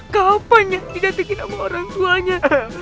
kapan yang di jatuhin sama orang tuanya